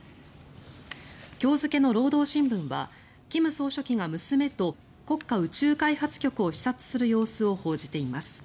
今日付の労働新聞は金総書記が娘と国家宇宙開発局を視察する様子を報じています。